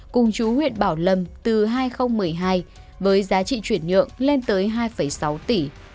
cùng chú huyện bảo lâm từ hai nghìn một mươi hai với giá trị chuyển nhượng lên tới hai sáu tỷ